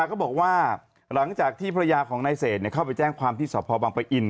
ก็บอกว่าหลังจากที่ภรรยาของนายเศษเข้าไปแจ้งความที่สพบังปะอิน